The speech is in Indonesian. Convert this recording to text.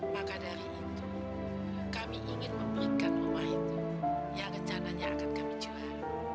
maka dari itu kami ingin memberikan rumah itu yang rencananya akan kami jual